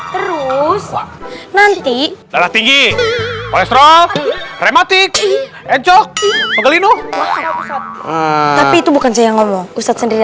terus nanti tinggi kolesterol rematik enco kegeli nuh tapi itu bukan saya ngomong ustadz sendiri